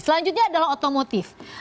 selanjutnya adalah otomotif